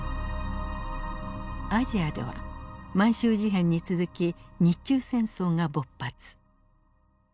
アジアでは満州事変に続き日中戦争が勃発。